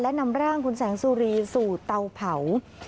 และนำร่างคุณแสงสุรีสู่เตาเผา